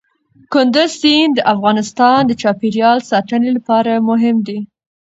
کندز سیند د افغانستان د چاپیریال ساتنې لپاره مهم دی.